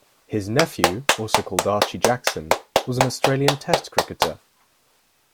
His nephew, also called Archie Jackson, was an Australian test cricketer.